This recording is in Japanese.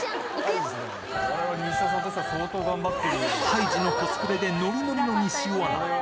ハイジのコスプレでノリノリの西尾アナ。